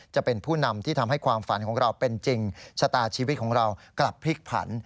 จะเป็นผู้นำที่ทำให้ความฝันของเราเป็นจริงชะตาชีวิตของเรากลับพลิกผัน